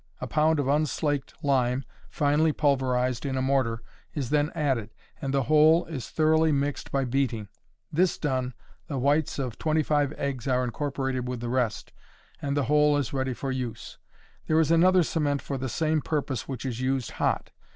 A pound of unslaked lime, finely pulverized in a mortar, is then added, and the whole is thoroughly mixed by beating. This done, the whites of 25 eggs are incorporated with the rest, and the whole is ready for use. There is another cement for the same purpose which is used hot.